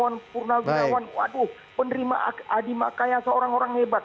jangan sembarang ngomong bravo lima lah ini para purnawirawan aduh penerima adima kaya seorang